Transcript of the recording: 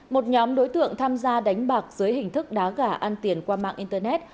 một nhóm đối tượng tham gia đánh bạc dưới hình thức đá gà ăn tiền qua mạng internet